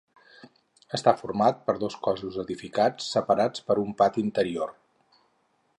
Està format per dos cossos edificats separats per un pati interior.